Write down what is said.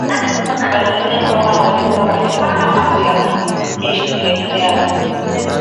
Wanamgambo hawa walikuwa katika kikosi cha kijeshi cha hiari